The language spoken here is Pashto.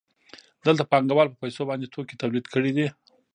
دلته پانګوال په پیسو باندې توکي تولید کړي دي